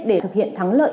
để thực hiện thắng luận